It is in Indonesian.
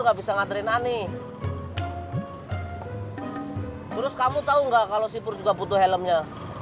nggak bisa ngaterin ani terus kamu tahu nggak kalau sipur juga butuh helmnya